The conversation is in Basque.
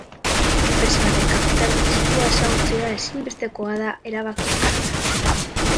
Enpresa baten kapital-kostua ezagutzea ezinbestekoa da, erabakiak hartzeko.